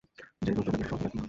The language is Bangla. যে রজ্জু দেখে, সে সর্প দেখে না।